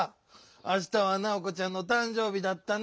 あしたはナオコちゃんのたんじょうびだったね！